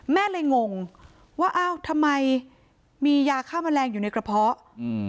แม่เลยงงว่าอ้าวทำไมมียาฆ่าแมลงอยู่ในกระเพาะอืม